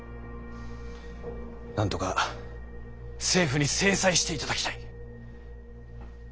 なんとか政府に制裁していただきたい。